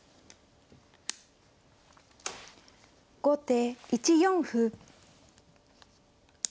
後手１四歩。